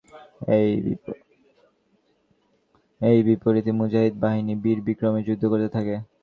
এর বিপরীতে মুজাহিদ বাহিনী বীর-বিক্রমে যুদ্ধ করতে থাকে।